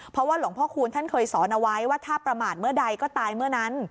เพราะว่าหลวงพ่อคูณท่านเคยสอนเอาไว้ว่าถ้าประมาทเมื่อใดก็ตายเมื่อนั้น